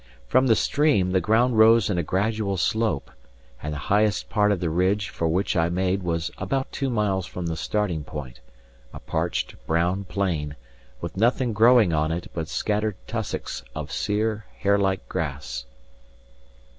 From the stream the ground rose in a gradual slope, and the highest part of the ridge for which I made was about two miles from the starting point a parched brown plain, with nothing growing on it but scattered tussocks of sere hair like grass.